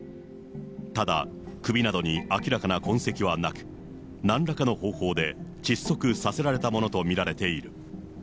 ただ、首などに明らかな痕跡はなく、なんらかの方法で窒息させられたものと見られている。